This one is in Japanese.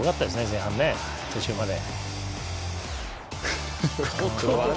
前半、途中まで。